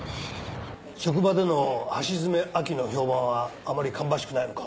職場での橋爪亜希の評判はあまり芳しくないのか。